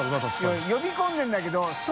うん呼び込んでるんだけど修